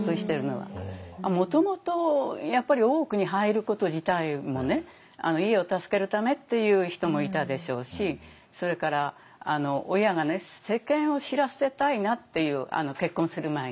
もともとやっぱり大奥に入ること自体も家を助けるためっていう人もいたでしょうしそれから親が世間を知らせたいなっていう結婚する前に。